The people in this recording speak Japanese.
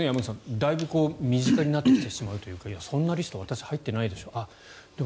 だいぶ身近になってきてしまうというかそんなリスト私入ってないでしょ